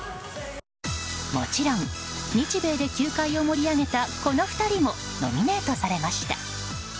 もちろん、日米で球界を盛り上げたこの２人もノミネートされました。